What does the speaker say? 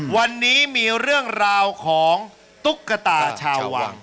วันนี้มีเรื่องราวของตุ๊กตาชาววัง